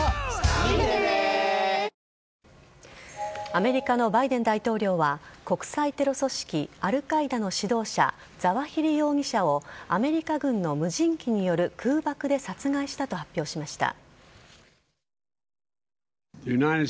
アメリカのバイデン大統領は、国際テロ組織アルカイダの指導者、ザワヒリ容疑者を、アメリカ軍の無人機による空爆で殺害したと発表しました。